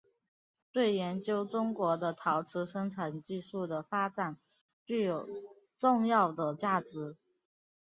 对研究中国的陶瓷生产技术的发展具有重要的价值。